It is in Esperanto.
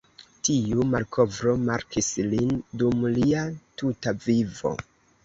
Tiu malkovro markis lin dum lia tuta vivo.